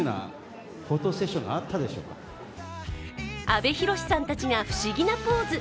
阿部寛さんたちが不思議なポーズ。